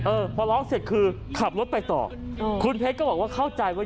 เออพอร้องเสร็จคือขับรถไปต่อคุณเพชรก็บอกว่าเข้าใจว่า